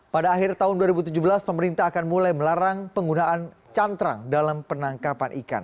pada akhir tahun dua ribu tujuh belas pemerintah akan mulai melarang penggunaan cantrang dalam penangkapan ikan